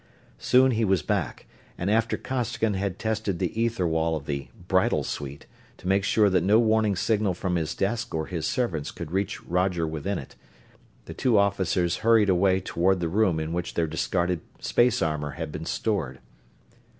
Soon he was back, and after Costigan had tested the ether wall of the "bridal suite" to make sure that no warning signal from his desk or his servants could reach Roger within it, the two officers hurried away toward the room in which their discarded space armor had been stored.